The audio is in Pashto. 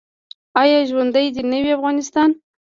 آیا ژوندی دې نه وي افغانستان؟